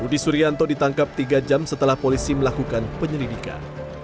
budi suryanto ditangkap tiga jam setelah polisi melakukan penyelidikan